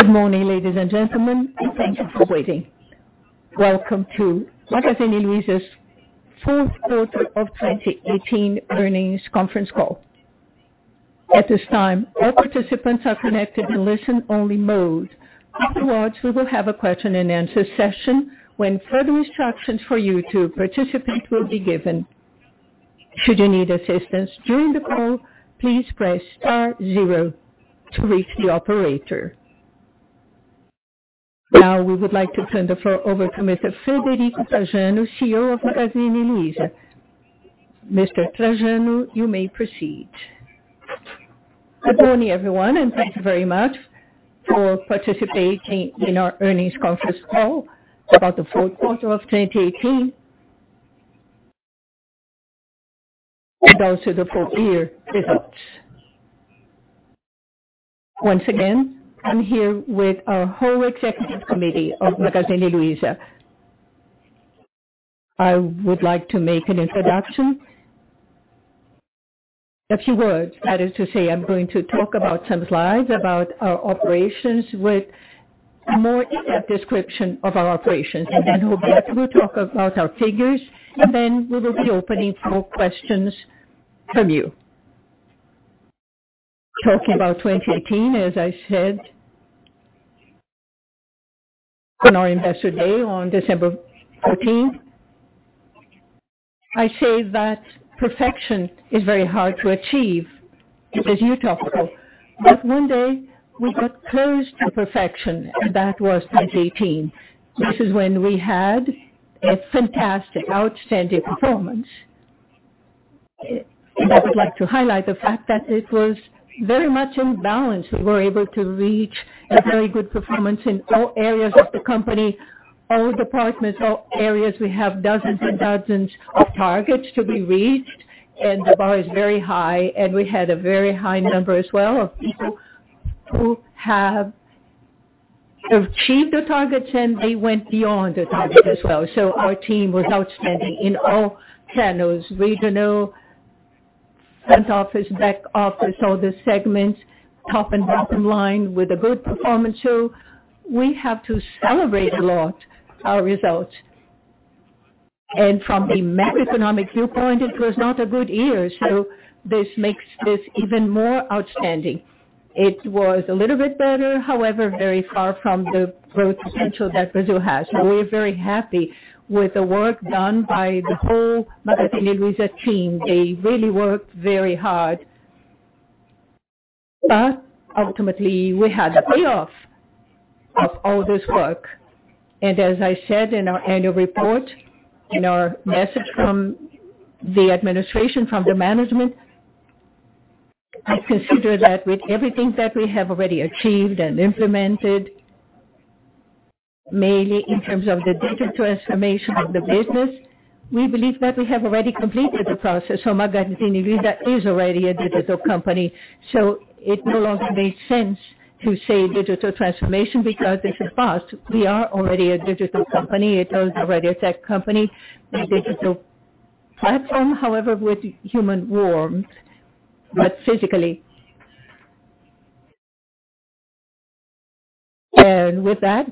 Good morning, ladies and gentlemen. Thank you for waiting. Welcome to Magazine Luiza's fourth quarter of 2018 earnings conference call. At this time, all participants are connected in listen only mode. Afterwards, we will have a question and answer session when further instructions for you to participate will be given. Should you need assistance during the call, please press star zero to reach the operator. Now we would like to turn the floor over to Mr. Frederico Trajano, CEO of Magazine Luiza. Mr. Trajano, you may proceed. Good morning, everyone. Thank you very much for participating in our earnings conference call about the fourth quarter of 2018, and also the full year results. Once again, I'm here with our whole executive committee of Magazine Luiza. I would like to make an introduction. A few words, that is to say, I'm going to talk about some slides about our operations with a more in-depth description of our operations. Then Roberto will talk about our figures. Then we will be opening for questions from you. Talking about 2018, as I said on our Investor Day on December 14. I say that perfection is very hard to achieve. It is utopic. One day we got close to perfection, and that was 2018. This is when we had a fantastic, outstanding performance. I would like to highlight the fact that it was very much in balance. We were able to reach a very good performance in all areas of the company, all departments, all areas. We have dozens and dozens of targets to be reached. The bar is very high. We had a very high number as well of people who have achieved the targets. They went beyond the target as well. Our team was outstanding in all channels. Retail, front office, back office, all the segments, top and bottom line, with a good performance. We have to celebrate a lot our results. From the macroeconomic viewpoint, it was not a good year, so this makes this even more outstanding. It was a little bit better, however, very far from the growth potential that Brazil has. We're very happy with the work done by the whole Magazine Luiza team. They really worked very hard. Ultimately we had a payoff of all this work. As I said in our annual report, in our message from the administration, from the management, I consider that with everything that we have already achieved and implemented, mainly in terms of the digital transformation of the business, we believe that we have already completed the process. Magazine Luiza is already a digital company. It no longer makes sense to say digital transformation because this is past. We are already a digital company. It is already a tech company, a digital platform, however, with human warmth, but physically. With that,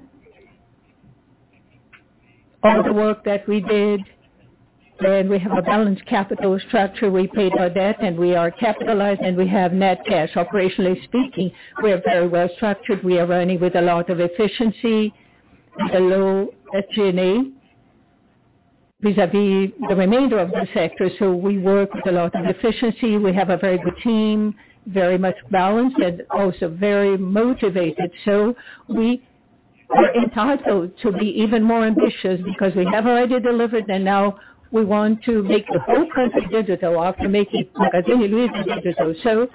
all the work that we did. We have a balanced capital structure. We paid our debt. We are capitalized. We have net cash. Operationally speaking, we are very well structured. We are running with a lot of efficiency at a low SG&A, vis-à-vis the remainder of the sector. We work with a lot of efficiency. We have a very good team, very much balanced, and also very motivated. We are entitled to be even more ambitious because we have already delivered and now we want to make the whole country digital after making Magazine Luiza digital.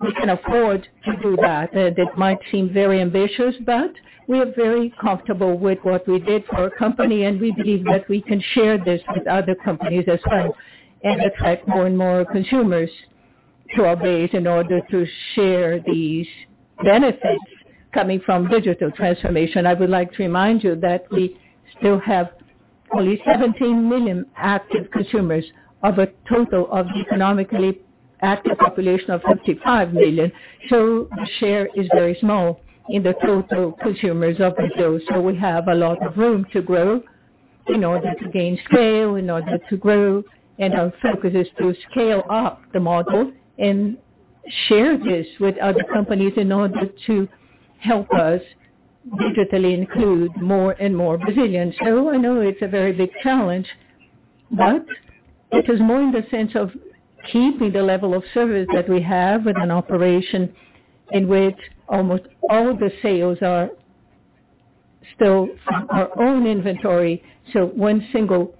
We can afford to do that. That might seem very ambitious, but we are very comfortable with what we did for our company, and we believe that we can share this with other companies as well, and attract more and more consumers to our base in order to share these benefits coming from digital transformation. I would like to remind you that we still have only 17 million active consumers of a total of economically active population of 55 million. The share is very small in the total consumers of those. We have a lot of room to grow in order to gain scale, in order to grow. Our focus is to scale up the model and share this with other companies in order to help us digitally include more and more Brazilians. I know it's a very big challenge, but it is more in the sense of keeping the level of service that we have with an operation in which almost all the sales are still from our own inventory. One single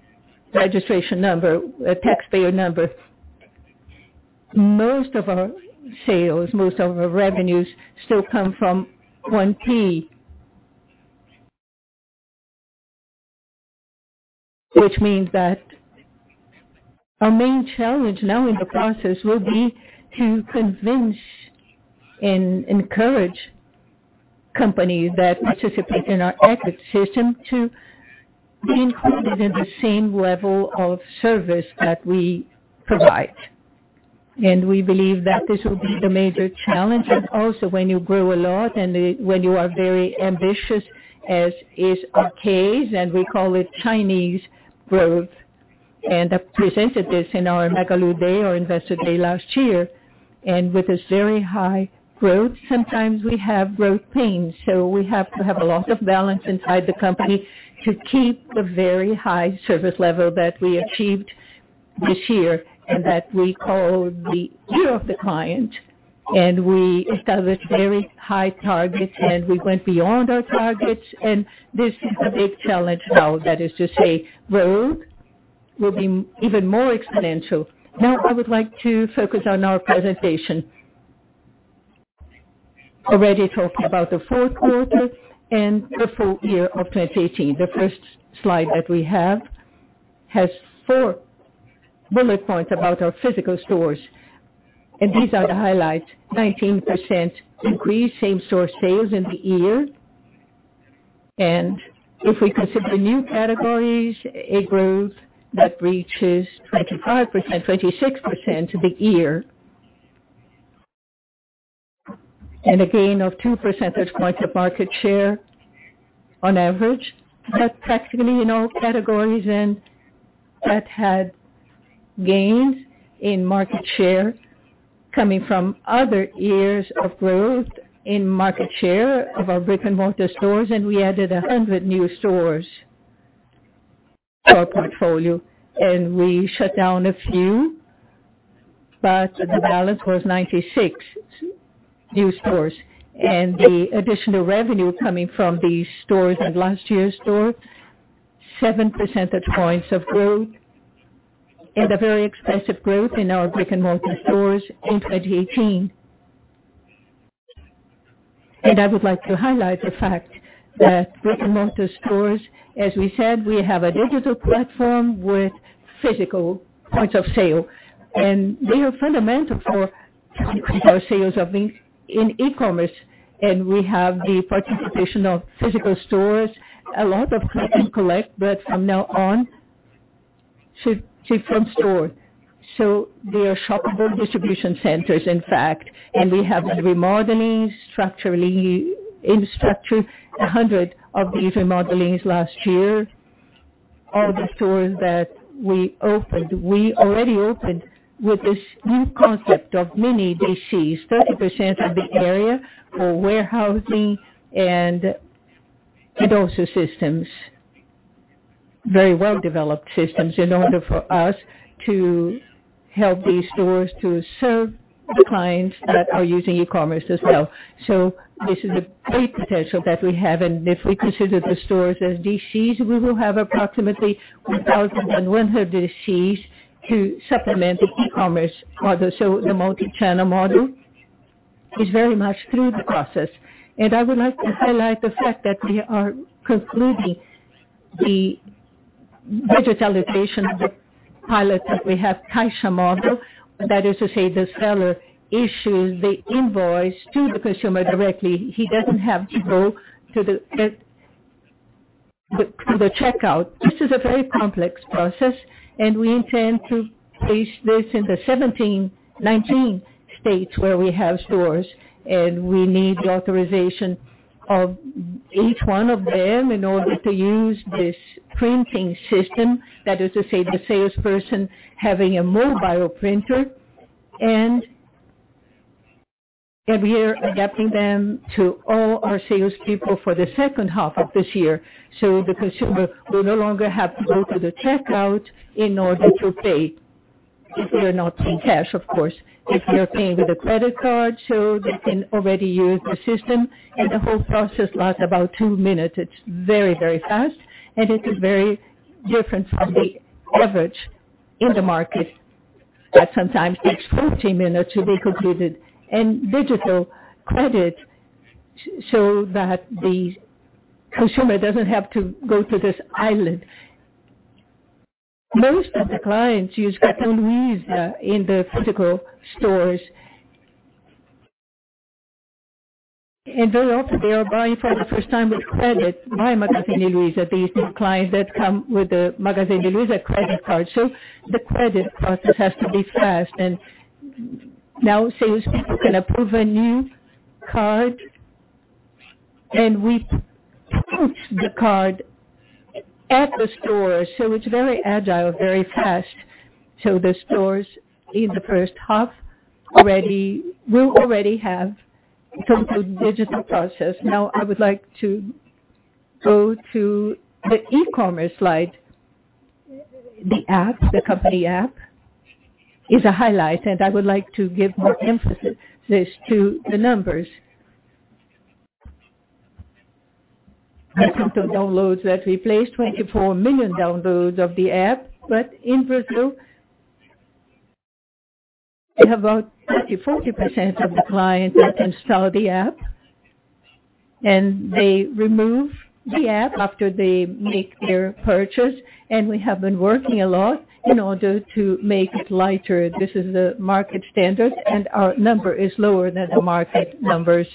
registration number, a taxpayer number. Most of our sales, most of our revenues still come from 1P. Which means that our main challenge now in the process will be to convince and encourage companies that participate in our ecosystem to be included in the same level of service that we provide. We believe that this will be the major challenge. Also when you grow a lot and when you are very ambitious, as is our case, we call it Chinese growth, I presented this in our Magalu Day, our Investor Day last year. With this very high growth, sometimes we have growth pains. We have to have a lot of balance inside the company to keep the very high service level that we achieved this year, that we call the year of the client. We established very high targets, we went beyond our targets. This is the big challenge now, that is to say, growth will be even more exponential. I would like to focus on our presentation. Already talking about the fourth quarter and the full year of 2018. The first slide that we have has four bullet points about our physical stores. These are the highlights. 19% increase same-store sales in the year. If we consider new categories, a growth that reaches 25%, 26% the year. A gain of 2 percentage points of market share on average, that's practically in all categories and that had gains in market share coming from other years of growth in market share of our brick-and-mortar stores, we added 100 new stores to our portfolio. We shut down a few, but the balance was 96 new stores. The additional revenue coming from these stores and last year's stores, 7 percentage points of growth and a very expressive growth in our brick-and-mortar stores in 2018. I would like to highlight the fact that brick-and-mortar stores, as we said, we have a digital platform with physical points of sale. They are fundamental for our sales in e-commerce. We have the participation of physical stores. A lot of click-and-collect. From now on, ship from store. They are shoppable distribution centers, in fact. We have the remodeling in structure, 100 of these remodelings last year. All the stores that we opened, we already opened with this new concept of mini-DCs, 30% of the area for warehousing and also systems. Very well-developed systems in order for us to help these stores to serve the clients that are using e-commerce as well. This is a great potential that we have. If we consider the stores as DCs, we will have approximately 1,100 DCs to supplement the e-commerce order. The multi-channel model is very much through the process. I would like to highlight the fact that we are concluding the digitalization of the pilot that we have, Caixa model. That is to say, the seller issues the invoice to the consumer directly. He doesn't have to go to the checkout. This is a very complex process. We intend to place this in the 17, 19 states where we have stores. We need the authorization of each one of them in order to use this printing system. That is to say, the salesperson having a mobile printer and we are adapting them to all our salespeople for the second half of this year. The consumer will no longer have to go to the checkout in order to pay. If they're not in cash, of course. If they're paying with a credit card, they can already use the system, and the whole process lasts about two minutes. It's very fast. It is very different from the average in the market that sometimes takes 14 minutes to be concluded. Digital credit, so that the consumer doesn't have to go to this island. Most of the clients use Magazine Luiza in the physical stores. Very often, they are buying for the first time with credit by Magazine Luiza. These clients that come with the Magazine Luiza credit card. The credit process has to be fast. Now salespeople can approve a new card, and we print the card at the store. It's very agile, very fast. The stores in the first half will already have concluded digital process. Now, I would like to go to the e-commerce slide. The app, the company app is a highlight. I would like to give more emphasis to the numbers. Total downloads that we placed, 24 million downloads of the app. In Brazil, about 30%, 40% of the clients uninstall the app. They remove the app after they make their purchase. We have been working a lot in order to make it lighter. This is the market standard. Our number is lower than the market numbers.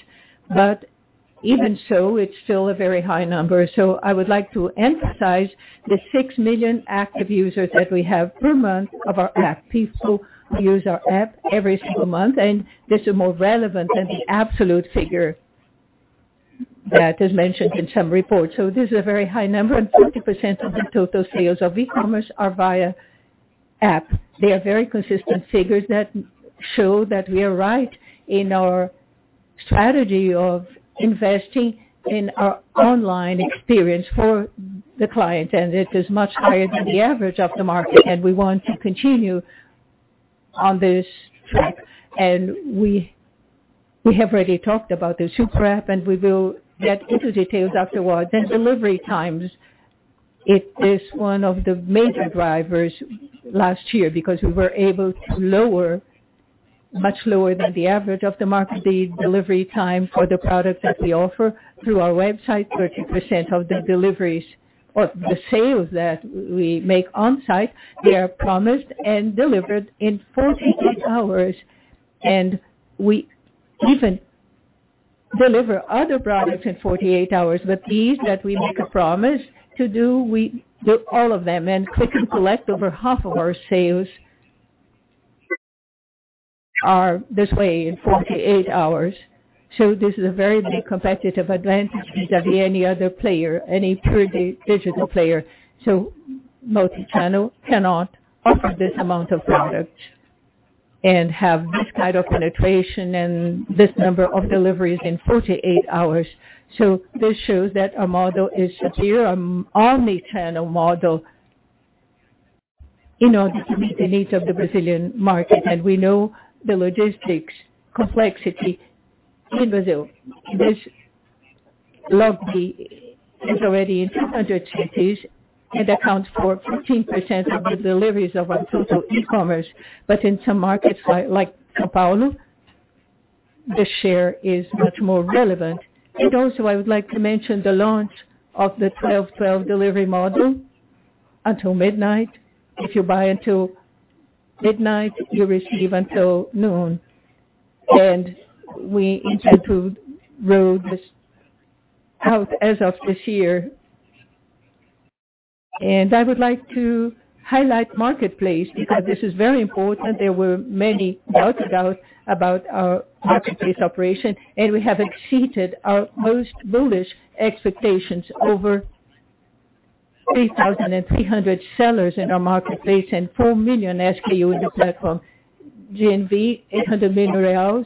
Even so, it's still a very high number. I would like to emphasize the 6 million active users that we have per month of our app. People use our app every single month. This is more relevant than the absolute figure that is mentioned in some reports. This is a very high number. 40% of the total sales of e-commerce are via app. They are very consistent figures that show that we are right in our strategy of investing in our online experience for the client. It is much higher than the average of the market. We want to continue on this track. We have already talked about the Superapp, and we will get into details afterwards. Delivery times, it is one of the major drivers last year, because we were able to lower, much lower than the average of the market, the delivery time for the product that we offer through our website. 30% of the deliveries or the sales that we make on-site, they are promised and delivered in 48 hours. We even deliver other products in 48 hours. These that we make a promise to do, we do all of them. Click-and-collect, over half of our sales are this way in 48 hours. This is a very big competitive advantage vis-à-vis any other player, any pure digital player. Multi-channel cannot offer this amount of product and have this kind of penetration and this number of deliveries in 48 hours. This shows that our model is a pure omni-channel model in order to meet the needs of the Brazilian market. We know the logistics complexity in Brazil. Loggi is already in 200 cities and accounts for 15% of the deliveries of our total e-commerce. In some markets like São Paulo, the share is much more relevant. Also, I would like to mention the launch of the 12.12 delivery model until midnight. If you buy until midnight, you receive until noon. We intend to roll this out as of this year. I would like to highlight Marketplace because this is very important. There were many doubts about our Marketplace operation. We have exceeded our most bullish expectations. Over 3,300 sellers in our Marketplace and 4 million SKUs in the platform. GMV, 800 million reais.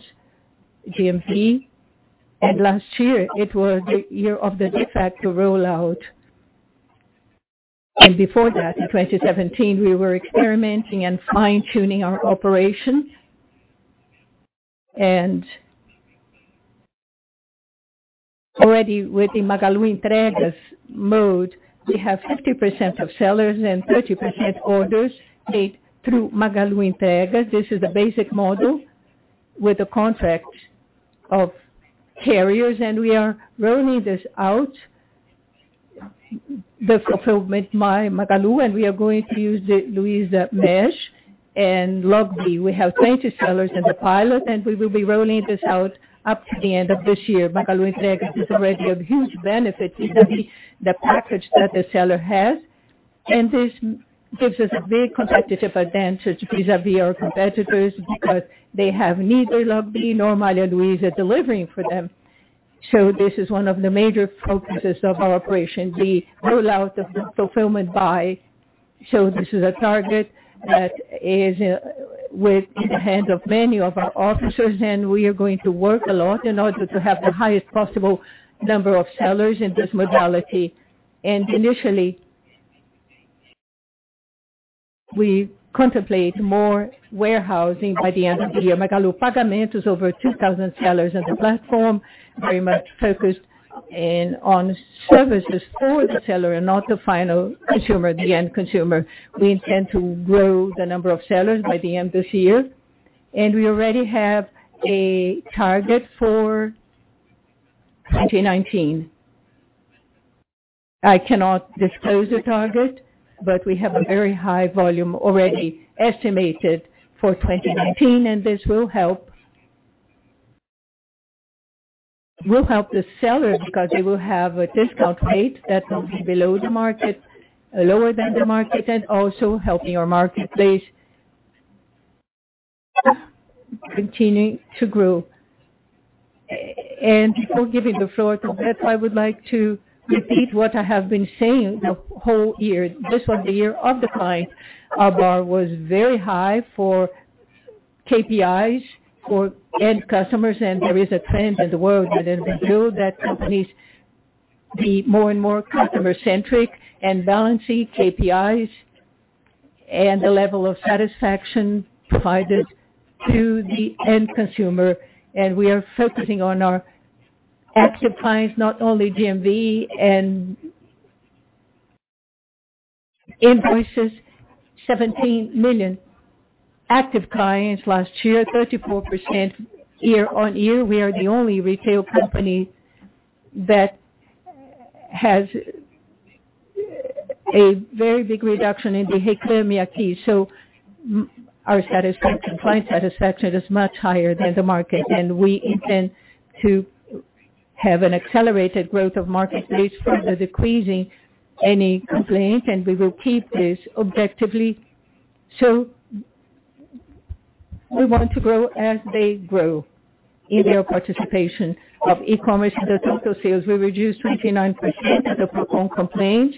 Last year it was the year of the de facto rollout. Before that, in 2017, we were experimenting and fine-tuning our operations. Already with the Magalu Entregas mode, we have 50% of sellers and 30% orders paid through Magalu Entregas. This is the basic model with the contracts of carriers. We are rolling this out, the Fulfillment by Magalu, and we are going to use the Malha Luiza and Loggi. We have 20 sellers in the pilot, and we will be rolling this out up to the end of this year. Magalu Entregas is already a huge benefit vis-à-vis the package that the seller has. This gives us a big competitive advantage vis-à-vis our competitors because they have neither Loggi nor Magazine Luiza delivering for them. This is one of the major focuses of our operation, the rollout of the Fulfillment by Magalu. This is a target that is within the hands of many of our officers, and we are going to work a lot in order to have the highest possible number of sellers in this modality. Initially, we contemplate more warehousing by the end of the year. MagaluPay is over 2,000 sellers in the platform, very much focused in on services for the seller and not the final consumer, the end consumer. We intend to grow the number of sellers by the end of this year. We already have a target for 2019. I cannot disclose the target, but we have a very high volume already estimated for 2019. This will help the seller because they will have a discount rate that will be below the market, lower than the market, and also helping our marketplace continue to grow. Before giving the floor to Berto, I would like to repeat what I have been saying the whole year. This was the year of the client. Our bar was very high for KPIs for end customers. There is a trend in the world within Brazil that companies be more and more customer-centric and balancing KPIs and the level of satisfaction provided to the end consumer. We are focusing on our active clients, not only GMV and invoices. 17 million active clients last year, 34% year-over-year. We are the only retail company that has a very big reduction in the Reclame Aqui. Our client satisfaction is much higher than the market, and we intend to have an accelerated growth of Marketplace further decreasing any complaint, and we will keep this objectively. We want to grow as they grow in their participation of e-commerce. In the total sales, we reduced 29% of the Procon complaint.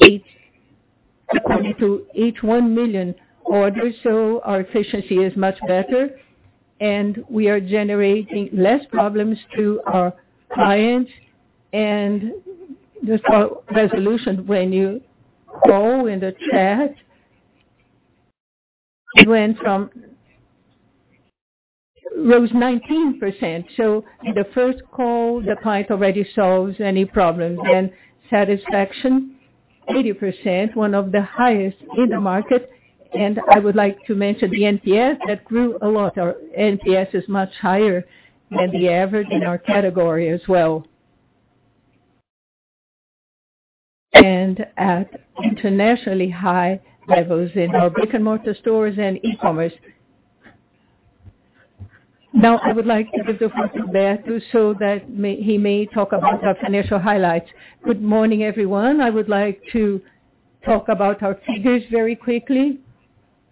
It went to each 1 million orders, so our efficiency is much better, and we are generating less problems to our clients and the first resolution when you call in the chat. It rose 19%. In the first call, the client already solves any problems. Satisfaction, 80%, one of the highest in the market. I would like to mention the NPS, that grew a lot. Our NPS is much higher than the average in our category as well. At internationally high levels in our brick-and-mortar stores and e-commerce. Now I would like to give the floor to Berto so that he may talk about our financial highlights. Good morning, everyone. I would like to talk about our figures very quickly,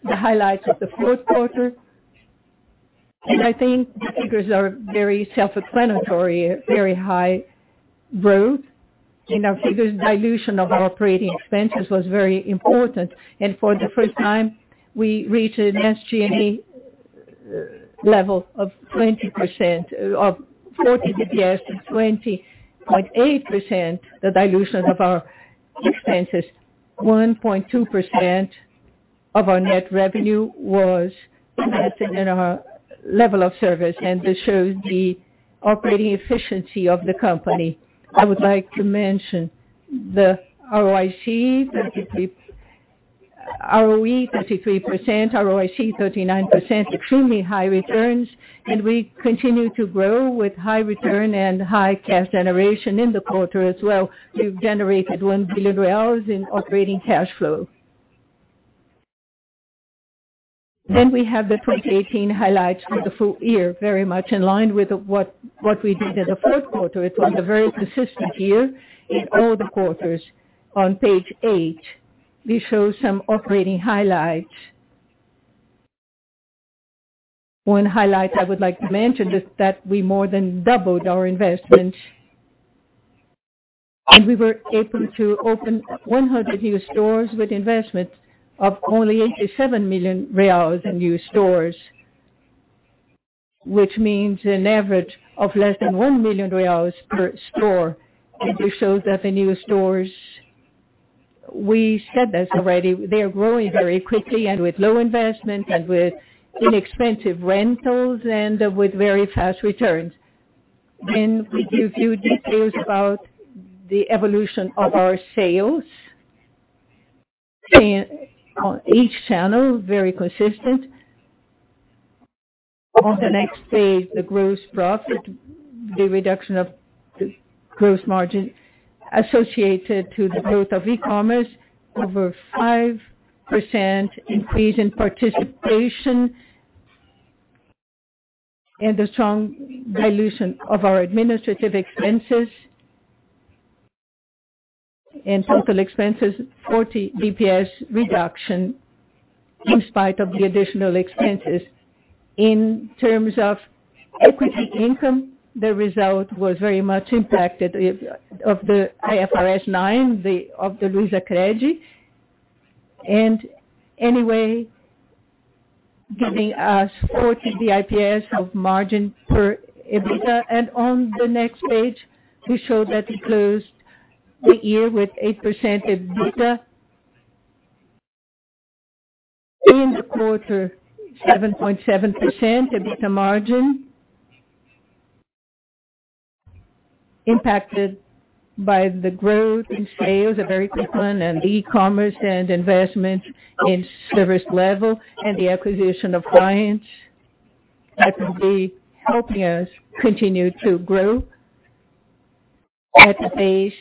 the highlights of the fourth quarter. I think the figures are very self-explanatory, very high growth in our figures. Dilution of our operating expenses was very important. For the first time, we reached an SG&A level of 40 basis points and 20.8%, the dilution of our expenses. 1.2% of our net revenue was invested in our level of service, and this shows the operating efficiency of the company. I would like to mention the ROIC, ROE 33%, ROIC 39%, extremely high returns, and we continue to grow with high return and high cash generation in the quarter as well. We've generated 1 billion reais in operating cash flow. We have the 2018 highlights for the full year, very much in line with what we did in the fourth quarter. It was a very consistent year in all the quarters. On page eight, we show some operating highlights. One highlight I would like to mention is that we more than doubled our investment, and we were able to open 100 new stores with investment of only 87 million reais in new stores, which means an average of less than 1 million reais per store. We show that the new stores, we said this already, they are growing very quickly and with low investment and with inexpensive rentals and with very fast returns. We give you details about the evolution of our sales on each channel, very consistent. On the next page, the gross profit, the reduction of the gross margin associated to the growth of e-commerce, over 5% increase in participation. The strong dilution of our administrative expenses and total expenses, 40 basis points reduction in spite of the additional expenses. In terms of equity income, the result was very much impacted of the IFRS 9, of the Luiza [credit]. Anyway, giving us 40 basis points of margin per EBITDA. On the next page, we show that we closed the year with 8% EBITDA. In the quarter, 7.7% EBITDA margin. Impacted by the growth in sales, a very quick one, e-commerce and investment in service level and the acquisition of clients that will be helping us continue to grow at a pace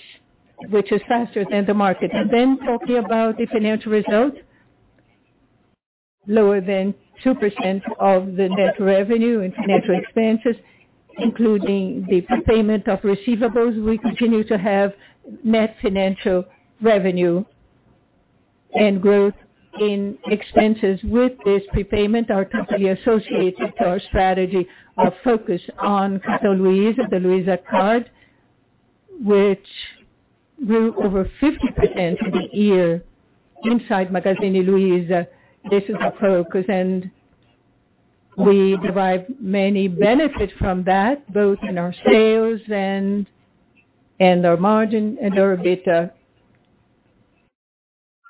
which is faster than the market. Talking about the financial result, lower than 2% of the net revenue and financial expenses, including the prepayment of receivables. We continue to have net financial revenue and growth in expenses with this prepayment are completely associated to our strategy of focus on Casa Luiza, the Luiza card, which grew over 50% in the year inside Magazine Luiza. This is our focus, and we derive many benefits from that, both in our sales and our margin and our EBITDA.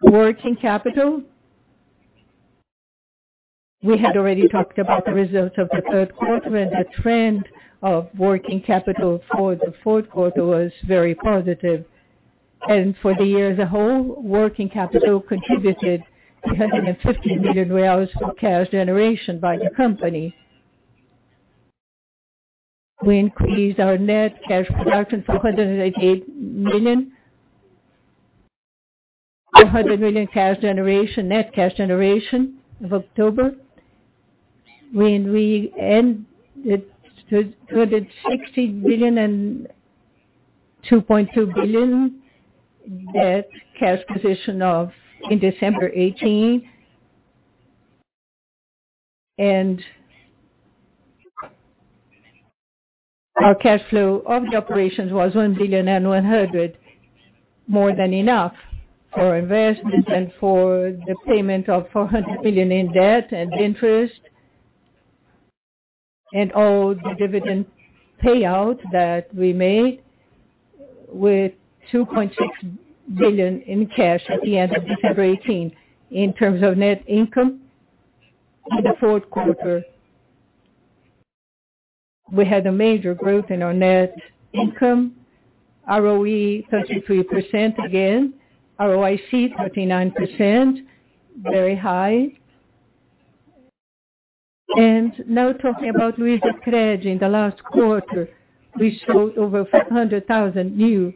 Working capital. We had already talked about the results of the third quarter, and the trend of working capital for the fourth quarter was very positive. For the year as a whole, working capital contributed BRL 150 million of cash generation by the company. We increased our net cash production to 188 million. 100 million net cash generation of October. We ended with [2.6] billion and 2.2 billion net cash position in December 2018. Our cash flow of the operations was 1 billion and 100, more than enough for investment and for the payment of 400 billion in debt and interest, and all the dividend payout that we made with 2.6 billion in cash at the end of December 2018. In terms of net income, in the fourth quarter, we had a major growth in our net income, ROE 33% again, ROIC 39%, very high. Now talking about Luizacred in the last quarter, we showed over 400,000 new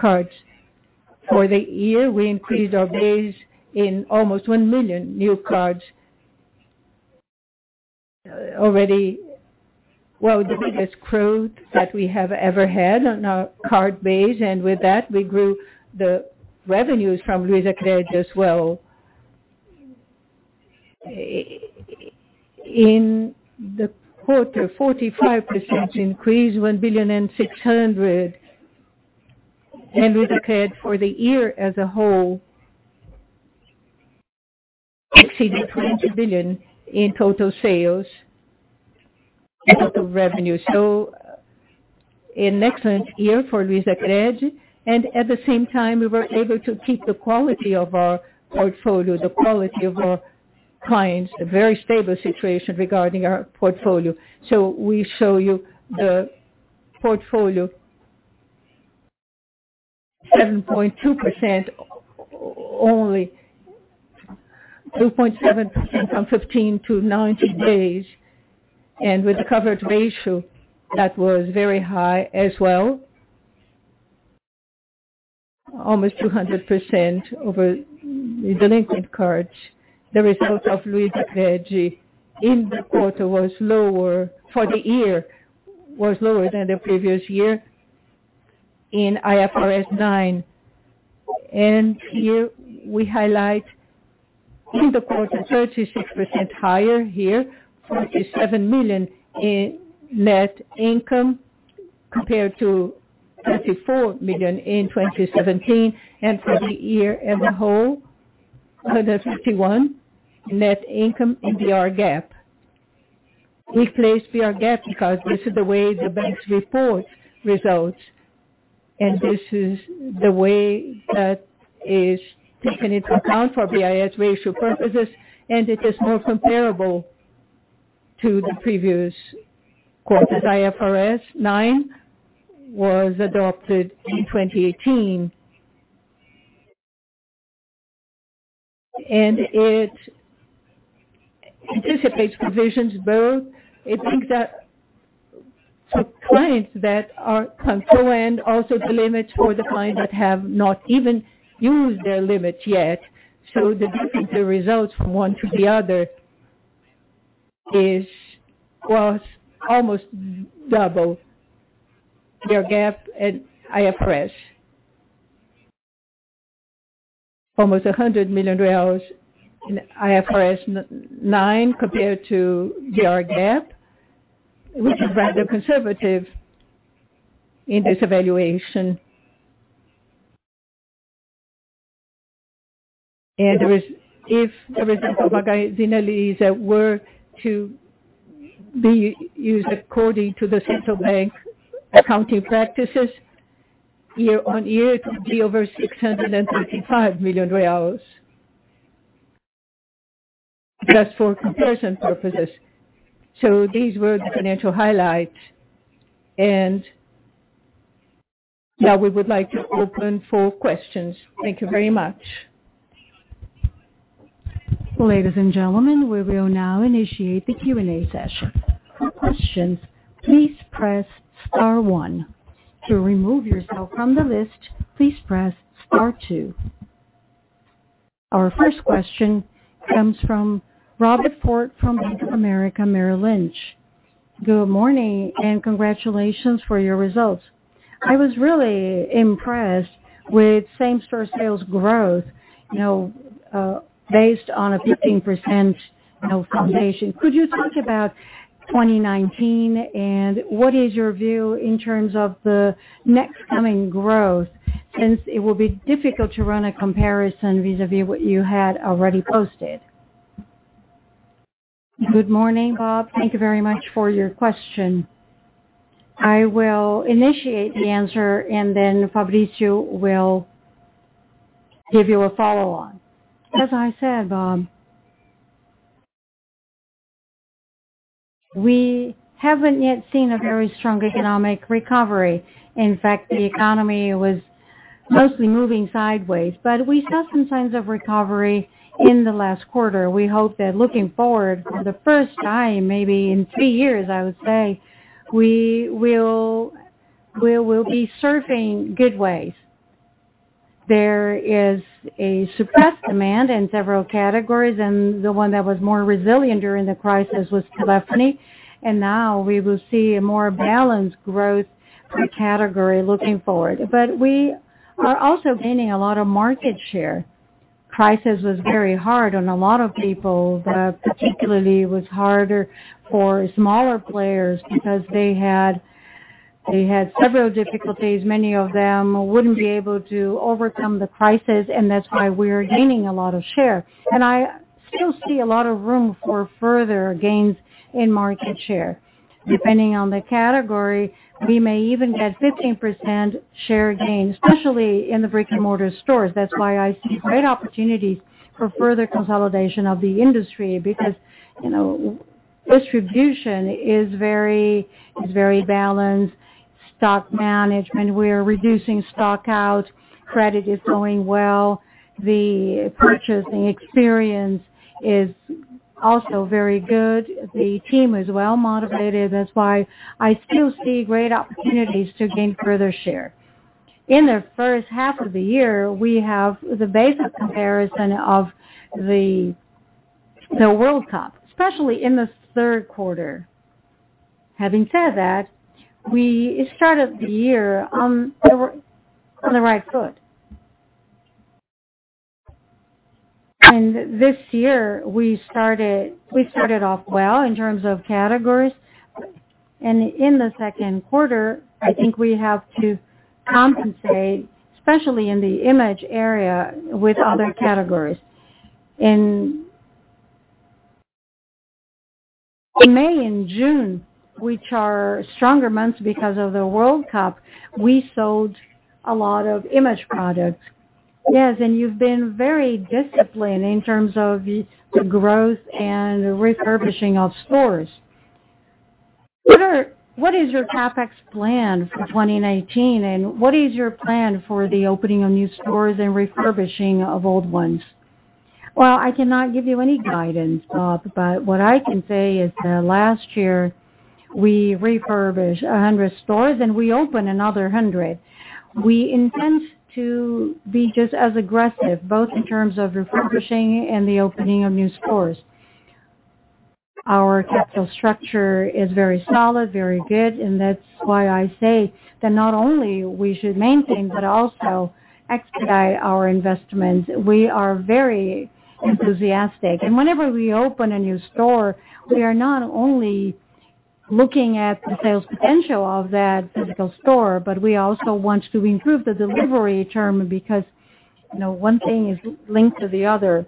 cards. For the year, we increased our base in almost 1 million new cards. Already, the biggest growth that we have ever had on our card base, and with that, we grew the revenues from Luizacred as well. In the quarter, 45% increase, [1.6 billion]. Luizacred for the year as a whole exceeded 20 billion in total sales and total revenue. An excellent year for Luizacred, and at the same time, we were able to keep the quality of our portfolio, the quality of our clients, a very stable situation regarding our portfolio. We show you the portfolio, 7.2% only, 2.7% from 15-90 days, and with a coverage ratio that was very high as well. Almost 200% over delinquent cards. The results of Luizacred in the quarter was lower for the year, was lower than the previous year in IFRS 9. Here we highlight in the quarter, 36% higher here, 47 million in net income compared to 34 million in 2017. For the year as a whole, 151 net income in BR GAAP. We place BR GAAP because this is the way the banks report results, and this is the way that is taken into account for BIS ratio purposes, and it is more comparable to the previous quarter. IFRS 9 was adopted in 2018. It anticipates provisions both. It takes that to clients that are current, also the limits for the clients that have not even used their limits yet. The difference in results from one to the other was almost double BR GAAP and IFRS. Almost 100 million in IFRS 9 compared to BR GAAP, which is rather conservative in this evaluation. If the results of Magazine Luiza were to be used according to the central bank accounting practices, year-on-year it would be over 635 million. Just for comparison purposes. These were the financial highlights. Now we would like to open for questions. Thank you very much. Ladies and gentlemen, we will now initiate the Q&A session. For questions, please press star one. To remove yourself from the list, please press star two. Our first question comes from Robert Ford from Bank of America Merrill Lynch. Good morning and congratulations for your results. I was really impressed with same-store sales growth based on a 15% foundation. Could you talk about 2019, and what is your view in terms of the next coming growth, since it will be difficult to run a comparison vis-a-vis what you had already posted? Good morning, Bob. Thank you very much for your question. I will initiate the answer, and then Fabrício will give you a follow on. As I said, Bob, we haven't yet seen a very strong economic recovery. In fact, the economy was mostly moving sideways. We saw some signs of recovery in the last quarter. We hope that looking forward, for the first time maybe in three years, I would say, we will be surfing good waves. There is a suppressed demand in several categories, and the one that was more resilient during the crisis was telephony. Now we will see a more balanced growth per category looking forward. We are also gaining a lot of market share. Crisis was very hard on a lot of people, but particularly it was harder for smaller players because they had several difficulties. Many of them wouldn't be able to overcome the crisis, and that's why we're gaining a lot of share. I still see a lot of room for further gains in market share. Depending on the category, we may even get 15% share gain, especially in the brick-and-mortar stores. That's why I see great opportunities for further consolidation of the industry because distribution is very balanced. Stock management, we are reducing stock out. Credit is going well. The purchasing experience is also very good. The team is well-motivated. That's why I still see great opportunities to gain further share. In the first half of the year, we have the basic comparison of the World Cup, especially in the third quarter. Having said that, we started the year on the right foot. This year, we started off well in terms of categories. In the second quarter, I think we have to compensate, especially in the image area with other categories. In May and June, which are stronger months because of the World Cup, we sold a lot of image products. Yes, you've been very disciplined in terms of the growth and refurbishing of stores. What is your CapEx plan for 2019, and what is your plan for the opening of new stores and refurbishing of old ones? Well, I cannot give you any guidance, but what I can say is that last year we refurbished 100 stores, and we opened another 100. We intend to be just as aggressive, both in terms of refurbishing and the opening of new stores. Our capital structure is very solid, very good, and that's why I say that not only we should maintain but also expedite our investments. We are very enthusiastic. Whenever we open a new store, we are not only looking at the sales potential of that physical store, but we also want to improve the delivery term because one thing is linked to the other.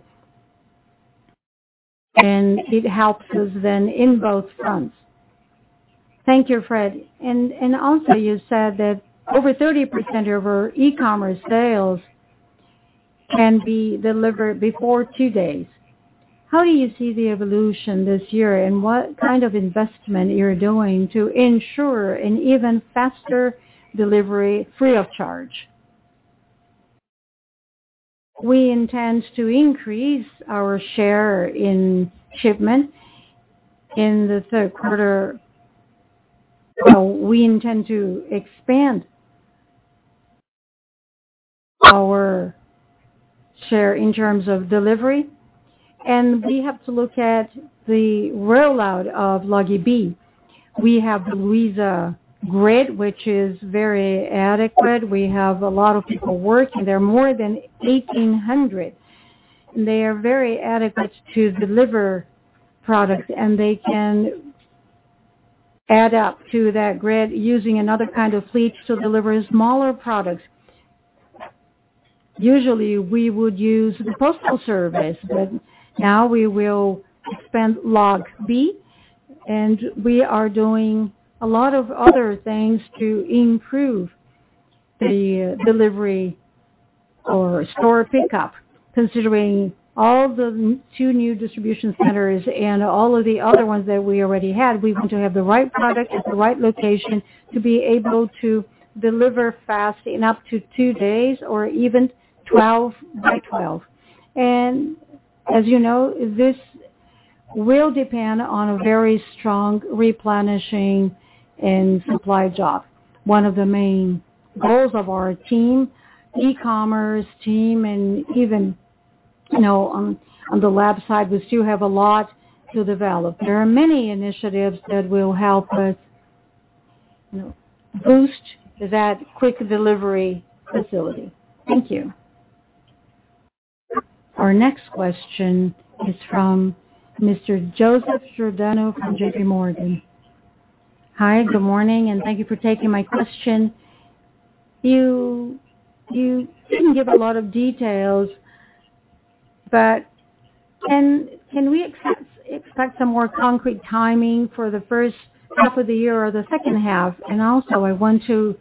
It helps us then in both fronts. Thank you, Fred. Also, you said that over 30% of our e-commerce sales can be delivered before two days. How do you see the evolution this year, and what kind of investment you're doing to ensure an even faster delivery free of charge? We intend to increase our share in shipments in the third quarter. We intend to expand our share in terms of delivery, and we have to look at the rollout of Loggi. We have the Luiza Grid, which is very adequate. We have a lot of people working there, more than 1,800. They are very adequate to deliver products, and they can add up to that grid using another kind of fleet to deliver smaller products. Usually, we would use the postal service, but now we will expand Loggi. We are doing a lot of other things to improve the delivery or store pickup. Considering all the two new distribution centers and all of the other ones that we already had, we want to have the right product at the right location to be able to deliver fast in up to two days or even 12.12. As you know, this will depend on a very strong replenishing and supply job. One of the main goals of our team, e-commerce team, and even on the lab side, we still have a lot to develop. There are many initiatives that will help us boost that quick delivery facility. Thank you. Our next question is from Mr. Joseph Giordano from JPMorgan. Hi, good morning. Thank you for taking my question. Can we expect some more concrete timing for the first half of the year or the second half? Also, I want to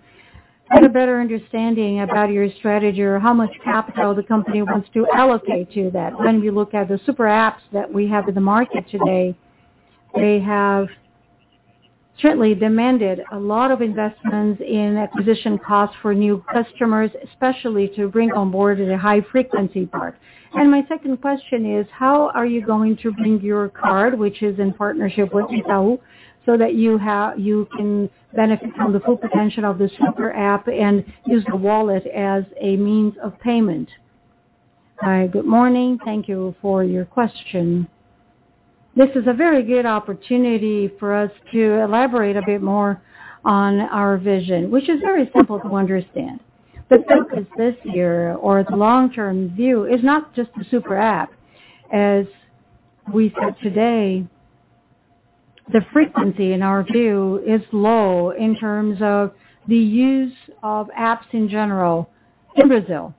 get a better understanding about your strategy or how much capital the company wants to allocate to that. When we look at the super apps that we have in the market today, they have certainly demanded a lot of investments in acquisition costs for new customers, especially to bring on board the high-frequency part. My second question is, how are you going to bring your card, which is in partnership with Itaú, so that you can benefit from the full potential of the Superapp and use the wallet as a means of payment? Hi, good morning. Thank you for your question. This is a very good opportunity for us to elaborate a bit more on our vision, which is very simple to understand. The focus this year or the long-term view is not just the Superapp. As we said today, the frequency, in our view, is low in terms of the use of apps in general in Brazil,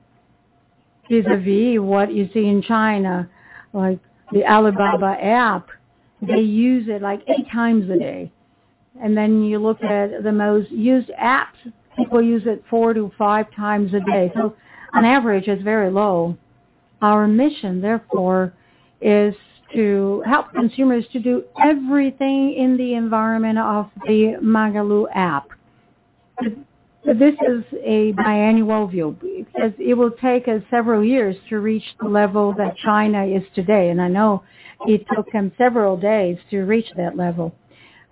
vis-à-vis what you see in China, like the Alibaba app. They use it eight times a day. Then you look at the most used apps, people use it four to five times a day. On average, it's very low. Our mission, therefore, is to help consumers to do everything in the environment of the Magalu app. This is a biannual view, because it will take us several years to reach the level that China is today. I know it took them several days to reach that level.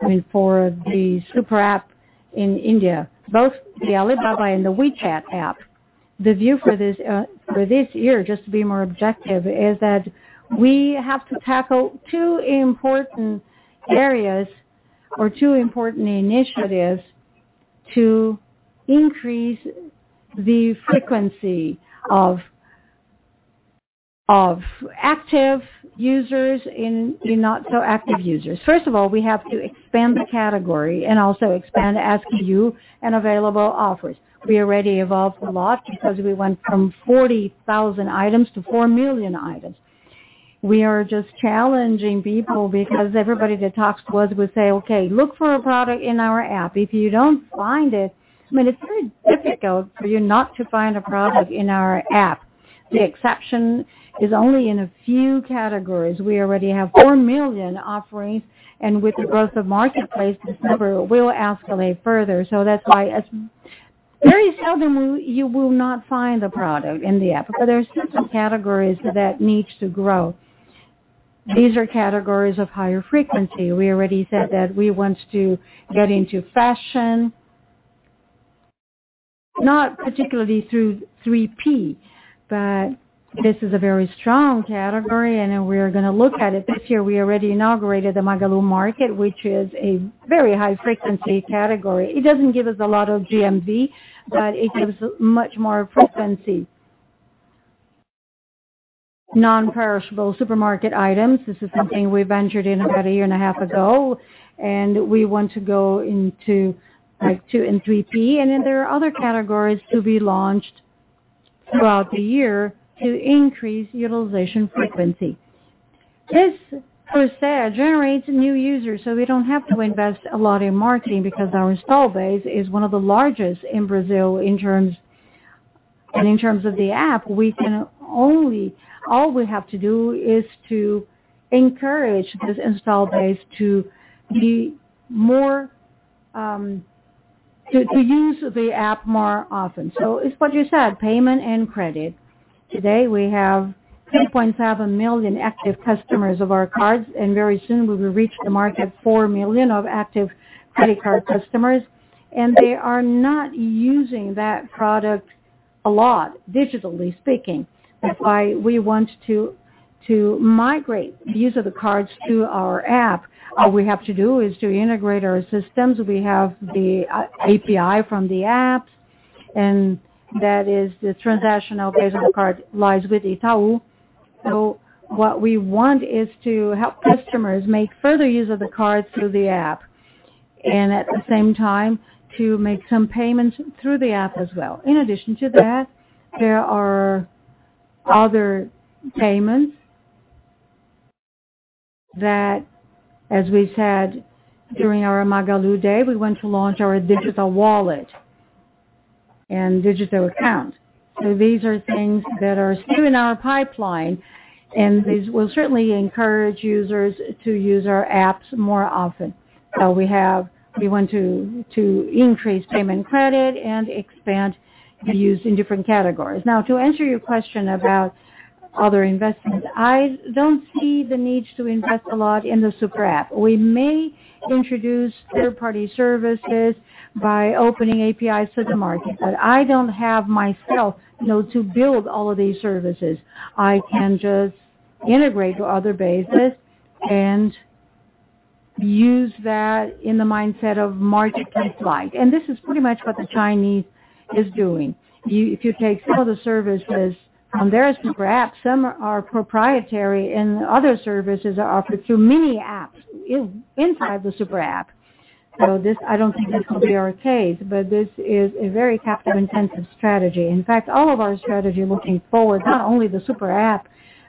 I mean, for the Superapp in India, both the Alibaba and the WeChat app. The view for this year, just to be more objective, is that we have to tackle two important areas or two important initiatives to increase the frequency of active users and the not so active users. First of all, we have to expand the category and also expand SKU and available offers. We already evolved a lot because we went from 40,000 items to 4 million items. We are just challenging people because everybody that talks to us would say, "Okay, look for a product in our app. If you don't find it." I mean, it's very difficult for you not to find a product in our app. The exception is only in a few categories. We already have 4 million offerings, and with the growth of Magalu Marketplace, this number will escalate further. That's why it's very seldom you will not find a product in the app. There are still some categories that need to grow. These are categories of higher frequency. We already said that we want to get into fashion, not particularly through 3P, but this is a very strong category, and we are going to look at it this year. We already inaugurated the Magalu Market, which is a very high-frequency category. It doesn't give us a lot of GMV, but it gives much more frequency. Non-perishable supermarket items, this is something we ventured in about a year and a half ago, and we want to go into 2P and 3P. There are other categories to be launched throughout the year to increase utilization frequency. This per se generates new users, so we don't have to invest a lot in marketing because our install base is one of the largest in Brazil in terms of the app. All we have to do is to encourage this install base to use the app more often. It's what you said, payment and credit. Today, we have 3.5 million active customers of our cards, and very soon we will reach the mark of 4 million of active credit card customers, and they are not using that product a lot, digitally speaking. That's why we want to migrate the use of the cards to our app. All we have to do is to integrate our systems. We have the API from the apps, and that is the transactional base of the card lies with Itaú. What we want is to help customers make further use of the card through the app, and at the same time, to make some payments through the app as well. In addition to that, there are other payments that, as we said during our Magalu Day, we want to launch our digital wallet and digital account. These are things that are still in our pipeline, and these will certainly encourage users to use our apps more often. We want to increase payment credit and expand the use in different categories. Now, to answer your question about other investments, I don't see the need to invest a lot in the Superapp. We may introduce third-party services by opening APIs to the market. I don't have myself to build all of these services. I can just integrate to other bases and use that in the mindset of marketplace like. This is pretty much what the Chinese is doing. If you take some of the services on their Superapp, some are proprietary, and other services are offered through mini apps inside the Superapp. This, I don't think this will be our case, but this is a very capital-intensive strategy. In fact, all of our strategy looking forward, not only the Superapp,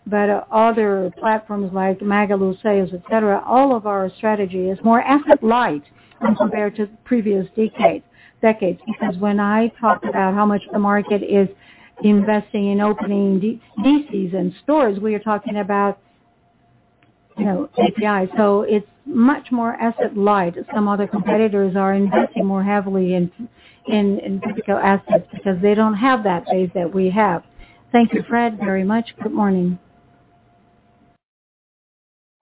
but other platforms like Magalu Sales, et cetera, all of our strategy is more asset light when compared to previous decades. When I talk about how much the market is investing in opening DCs and stores, we are talking about KPI. It's much more asset-light. Some other competitors are investing more heavily in physical assets because they don't have that base that we have. Thank you, Fred, very much. Good morning.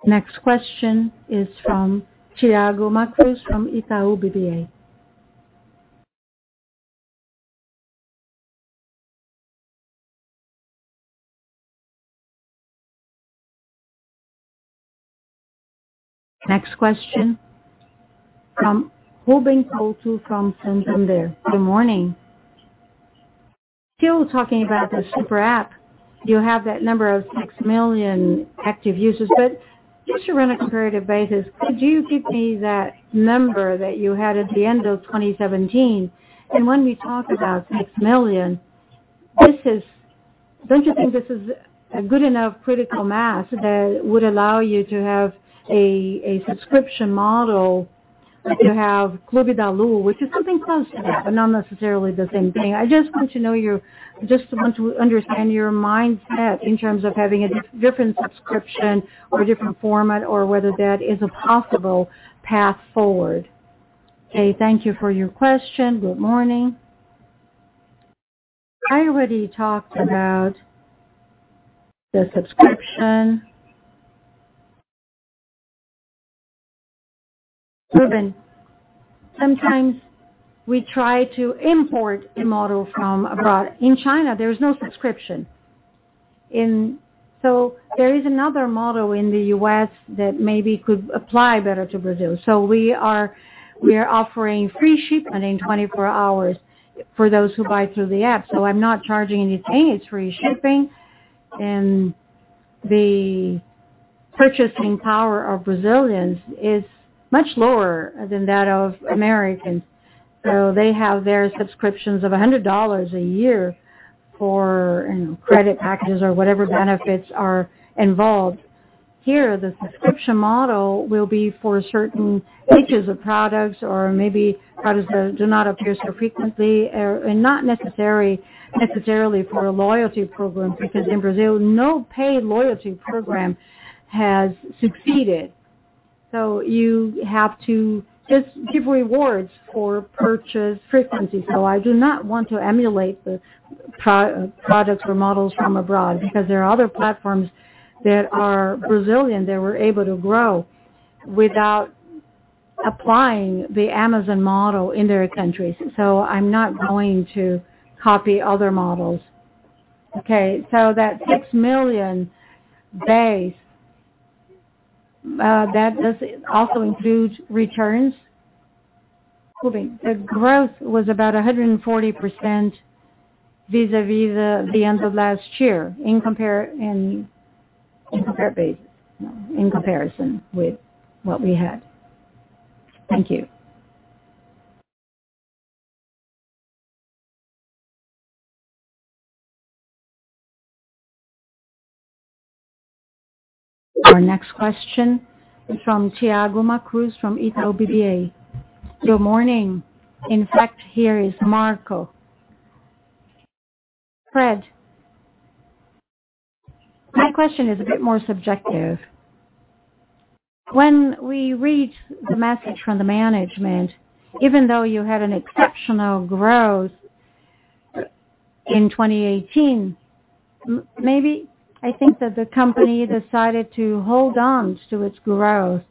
Next question is from Thiago Macruz from Itaú BBA. Next question from Ruben Couto from Santander. Good morning. Still talking about the Superapp. You have that number of 6 million active users, but just to run a comparative basis, could you give me that number that you had at the end of 2017? When we talk about 6 million, don't you think this is a good enough critical mass that would allow you to have a subscription model, like you have Clube da Lu, which is something close to that, but not necessarily the same thing. I just want to understand your mindset in terms of having a different subscription or a different format, or whether that is a possible path forward. Okay. Thank you for your question. Good morning. I already talked about the subscription. Ruben, sometimes we try to import a model from abroad. In China, there is no subscription. There is another model in the U.S. that maybe could apply better to Brazil. We are offering free shipping in 24 hours for those who buy through the app. I'm not charging anything, it's free shipping. The purchasing power of Brazilians is much lower than that of Americans. They have their subscriptions of $100 a year for credit packages or whatever benefits are involved. Here, the subscription model will be for certain niches of products, or maybe products that do not appear so frequently, and not necessarily for a loyalty program. Because in Brazil, no paid loyalty program has succeeded. You have to just give rewards for purchase frequency. I do not want to emulate the products or models from abroad because there are other platforms that are Brazilian that were able to grow without applying the Amazon model in their countries. I'm not going to copy other models. Okay. That 6 million base, that does also include returns? Ruben, the growth was about 140% vis-à-vis the end of last year in comparison with what we had. Thank you. Our next question is from Thiago Macruz from Itaú BBA. Good morning. In fact, here is Marco. Fred, my question is a bit more subjective. When we read the message from the management, even though you had an exceptional growth in 2018, maybe I think that the company decided to hold on to its growth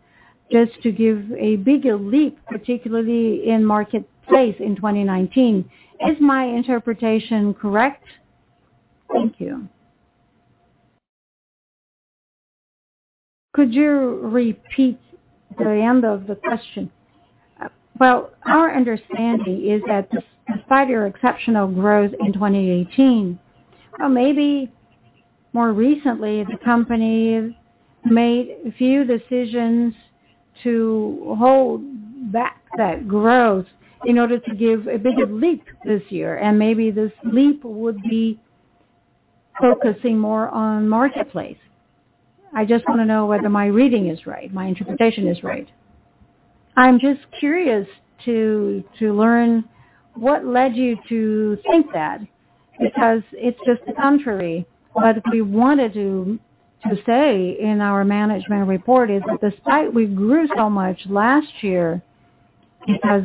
just to give a bigger leap, particularly in marketplace in 2019. Is my interpretation correct? Thank you. Could you repeat the end of the question? Well, our understanding is that despite your exceptional growth in 2018, maybe more recently, the company made a few decisions to hold back that growth in order to give a bigger leap this year. Maybe this leap would be focusing more on marketplace. I just want to know whether my reading is right, my interpretation is right. I'm just curious to learn what led you to think that. It's just the contrary. What we wanted to say in our management report is that despite we grew so much last year,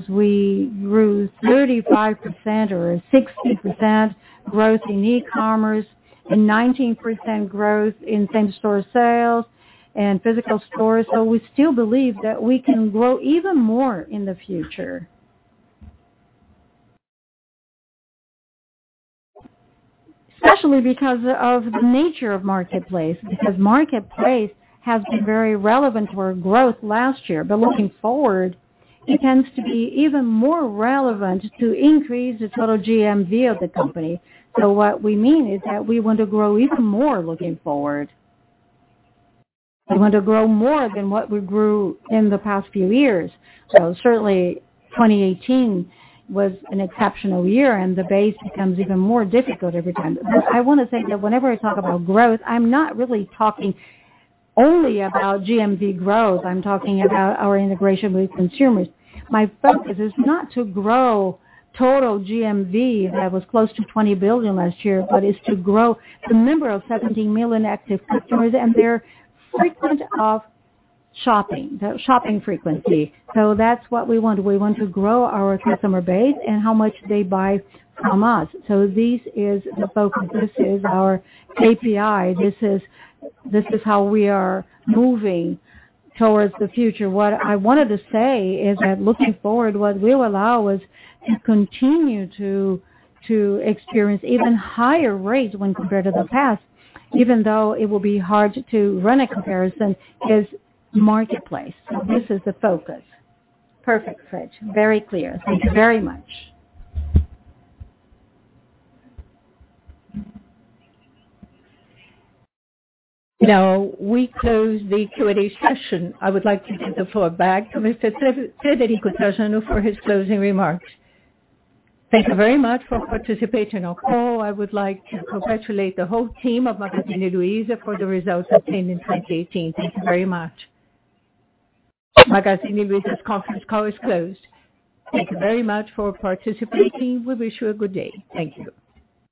we grew 35% or 60% growth in e-commerce and 19% growth in same-store sales and physical stores. We still believe that we can grow even more in the future. Especially because of the nature of marketplace. Marketplace has been very relevant for growth last year. Looking forward, it tends to be even more relevant to increase the total GMV of the company. What we mean is that we want to grow even more looking forward. We want to grow more than what we grew in the past few years. Certainly 2018 was an exceptional year, and the base becomes even more difficult every time. I want to say that whenever I talk about growth, I'm not really talking only about GMV growth, I'm talking about our integration with consumers. My focus is not to grow total GMV that was close to 20 billion last year, but is to grow the number of 17 million active customers and their shopping frequency. That's what we want. We want to grow our customer base and how much they buy from us. This is the focus. This is our KPI. This is how we are moving towards the future. What I wanted to say is that looking forward, what will allow us to continue to experience even higher rates when compared to the past, even though it will be hard to run a comparison, is marketplace. This is the focus. Perfect, Fred. Very clear. Thank you very much. Now we close the Q&A session. I would like to give the floor back to Mr. Frederico Trajano for his closing remarks. Thank you very much for participating on call. I would like to congratulate the whole team of Magazine Luiza for the results obtained in 2018. Thank you very much. Magazine Luiza's conference call is closed. Thank you very much for participating. We wish you a good day. Thank you.